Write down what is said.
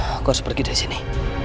aku harus pergi dari sini